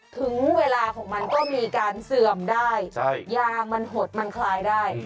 ถึงเวลาของมันก็มีการเสื่อมได้ยางมันหดมันคลายได้